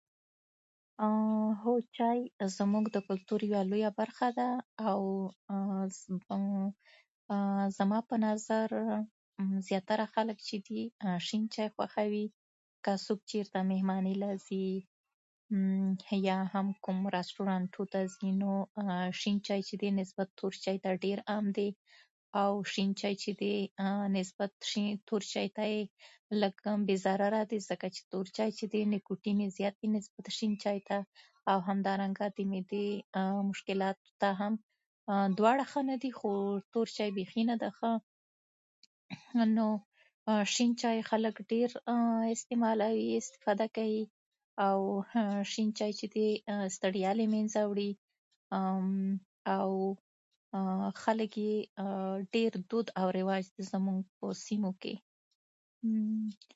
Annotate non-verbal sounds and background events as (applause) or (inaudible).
(hesitation) هو، چای زموږ د کلتور یوه لویه برخه ده، او (hesitation) زما په نظر زیاتره خلک چې دي، شین چای خوښوي. که څوک چېرته مېلمانه راځي، یا هم کوم رستورانتونو ته ځي، نو شین چای چې دی، نسبت تور چای ته ډېر عام دی. او شین چای چې دی، نسبت تور چای ته ډېر عام دی. او شین چای چې دی، نسبت شین تور چای ته یې بې ضرره دی، ځکه چې تور چای چې دی، نیکوتین یې زیات دي نسبت شین چای ته. او همدارنګه د معدې مشکلاتو ته هم دواړه ښه نه دي، خو تور چای بېخي نه دی ښه. نو شین چای خلک ډېر (hesitation) استعمالوي، استفاده کوي. او شین چای چې دی، ستړیا له منځه وړي. (hesitation) او خلک یې ډېر دود او رواج زموږ په سیمو کې (hesitation)